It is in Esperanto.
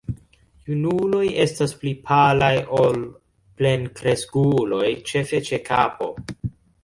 Junuloj estas pli palaj ol plenkreskuloj, ĉefe ĉe kapo.